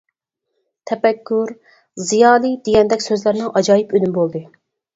«تەپەككۇر» ، «زىيالىي» دېگەندەك سۆزلەرنىڭ ئاجايىپ ئۈنۈمى بولدى.